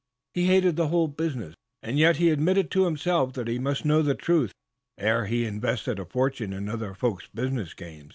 He hated the whole business, and yet he admitted to himself that he must know the truth ere he invested a fortune in other folks' business game.